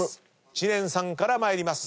知念さんから参ります。